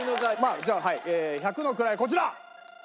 じゃあはい百の位こちら！